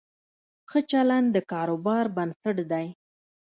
ښه چلند د کاروبار بنسټ دی.